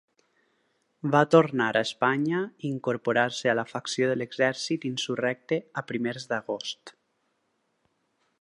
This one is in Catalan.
Va tornar a Espanya i incorporar-se a la facció de l'exèrcit insurrecte a primers d'agost.